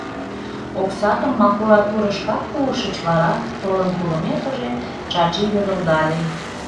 — Оксатым макулатурышкак пуышыч вара? — толын пурымекыже, Чачи йодылдале.